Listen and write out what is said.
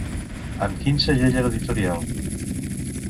Amb quin segell editorial?